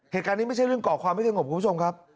เหตุการณ์นี้ไม่ใช่เรื่องก่อความไม่เงินของคุณผู้ชมครับ